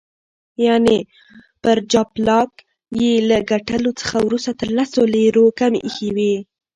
یعني پر جاپلاک یې له ګټلو څخه وروسته تر لسو لیرو کمې ایښي وې.